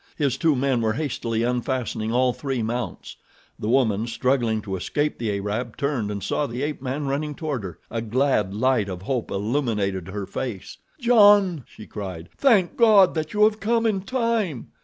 His two men were hastily unfastening all three mounts. The woman, struggling to escape the Arab, turned and saw the ape man running toward her. A glad light of hope illuminated her face. "John!" she cried. "Thank God that you have come in time."